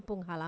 oh gitu ya